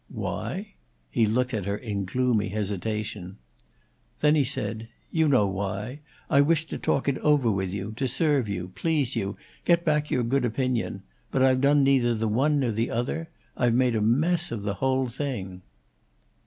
"Why?" He looked at her in gloomy hesitation. Then he said: "You know why. I wished to talk it over with you, to serve you, please you, get back your good opinion. But I've done neither the one nor the other; I've made a mess of the whole thing."